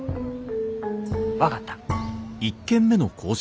分かった。